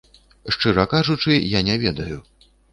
Шчыра кажучы, я не ведаю.